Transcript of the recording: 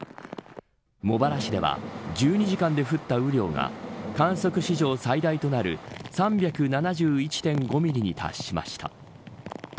茂原市では１２時間で降った雨量が観測史上、最大となる３７１．５ミリに達しました。